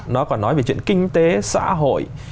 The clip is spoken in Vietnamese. nó còn nói về chuyện kinh tế xã hội